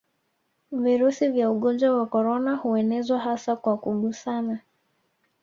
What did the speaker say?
Virusi vya ugonnjwa wa korona huenezwa hasa kwa kugusana